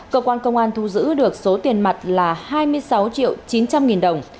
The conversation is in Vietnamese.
cơ quan công an thu giữ được số tiền mặt là hai mươi sáu triệu chín trăm linh nghìn đồng